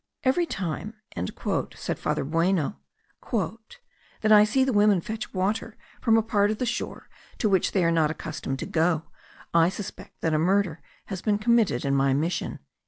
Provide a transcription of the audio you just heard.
"Every time," said Father Bueno, "that I see the women fetch water from a part of the shore to which they are not accustomed to go, I suspect that a murder has been committed in my mission."